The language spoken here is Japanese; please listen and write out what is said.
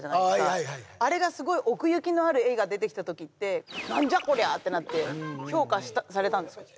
はいはいはいあれがすごい奥行きのある絵が出てきた時って何じゃこりゃ！ってなって評価されたんですか？